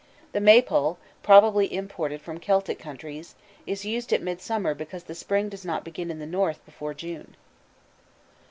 The May pole, probably imported from Celtic countries, is used at Midsummer because the spring does not begin in the north before June.